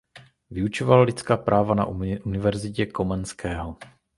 Vyučoval lidská práva na Univerzitě Komenského.